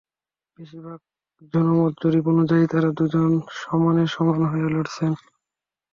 বেশির ভাগ জনমত জরিপ অনুযায়ী, তাঁরা দুজন সমানে সমান হয়ে লড়ছেন।